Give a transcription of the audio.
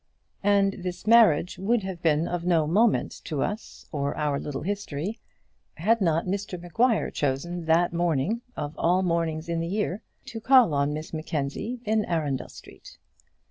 And this marriage would have been of no moment to us or to our little history, had not Mr Maguire chosen that morning, of all mornings in the year, to call on Miss Mackenzie in Arundel Street.